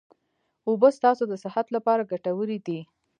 اوبه ستاسو د صحت لپاره ګټوري دي